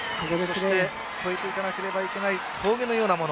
越えていかなければいけない峠のようなもの。